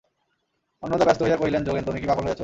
অন্নদা ব্যস্ত হইয়া কহিলেন, যোগেন, তুমি কি পাগল হইয়াছ।